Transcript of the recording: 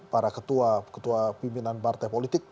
para ketua pimpinan partai politik